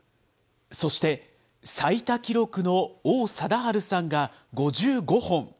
そして最多記録の王貞治さんが５５本。